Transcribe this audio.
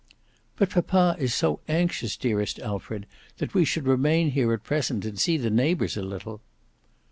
"But papa is so anxious, dearest Alfred, that we should remain here at present and see the neighbours a little."